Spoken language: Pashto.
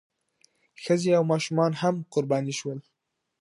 ښځې او ماشومان هم قرباني شول.